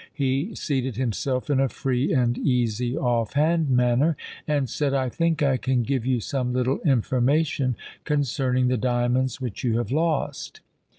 He seated himself in a free and easy, off hand manner, and said, '_I think I can give you some little information concerning the diamonds which you have lost.